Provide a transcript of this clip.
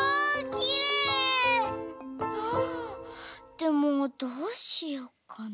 でもどうしようかな。